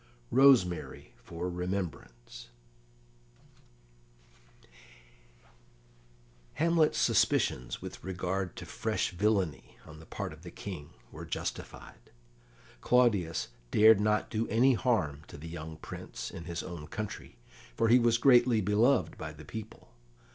"Rosemary for Remembrance" Hamlet's suspicions with regard to fresh villainy on the part of the King were justified. Claudius dared not do any harm to the young Prince in his own country, for he was greatly beloved by the people.